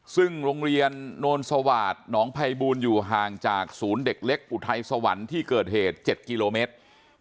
ซึ่งโรงเรียนโนนสวาสหนองภัยบูลอยู่ห่างจากศูนย์เด็กเล็กอุทัยสวรรค์ที่เกิดเหตุ๗กิโลเมตร